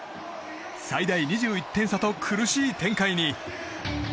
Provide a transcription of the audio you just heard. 最大２１点差と苦しい展開に。